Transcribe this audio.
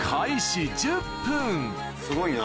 すごいな。